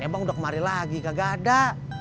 ini abang udah kemari lagi gak ada